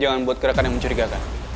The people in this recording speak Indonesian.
jangan buat gerakan yang mencurigakan